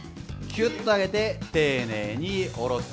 きゅっと上げて丁寧に下ろす。